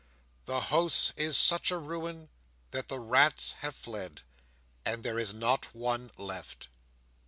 The house is such a ruin that the rats have fled, and there is not one left.